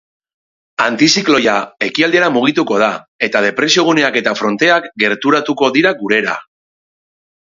Antizikloia ekialdera mugituko da eta depresioguneak eta fronteak gerturatuko dira gurera.